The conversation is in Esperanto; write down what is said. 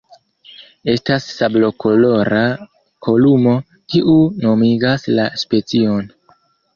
Estas sablokolora kolumo, kiu nomigas la specion.